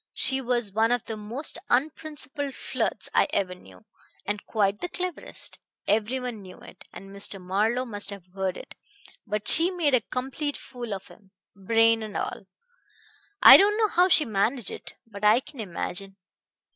She was one of the most unprincipled flirts I ever knew, and quite the cleverest. Everyone knew it, and Mr. Marlowe must have heard it; but she made a complete fool of him, brain and all.... I don't know how she managed it, but I can imagine....